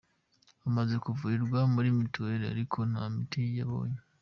Amaze kuvurirwa kuri Mutuel ariko nta miti yabonye.